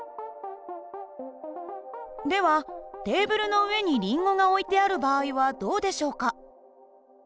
ではテーブルの上にりんごが置いてある場合はどうでしょうか？